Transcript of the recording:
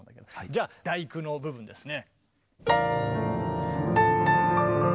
じゃ「第九」の部分ですね。